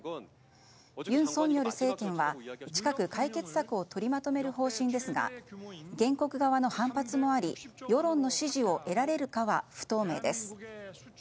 尹錫悦政権は近く解決策を取りまとめる方針ですが原告側の反発もあり世論の支持を得られるかは不透明です。